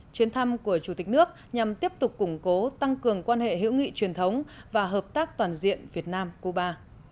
chuyến thăm của chủ tịch nước nhằm tiếp tục củng cố tăng cường quan hệ hữu nghị truyền thống và hợp tác toàn diện việt nam cuba